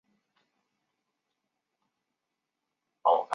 康泰卢人口变化图示